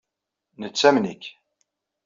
Nettamen-ik.